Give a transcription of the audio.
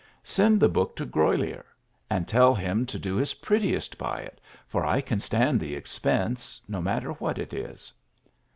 Send the book to Grolier, and tell him to do his prettiest by it, for I can stand the expense, no matter what it is."